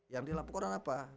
yang dilaporkan apa